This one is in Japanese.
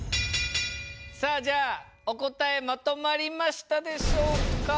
さあじゃあお答えまとまりましたでしょうか？